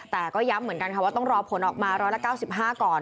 แต่ก็ย้ำเหมือนกันค่ะว่าต้องรอผลออกมา๑๙๕ก่อน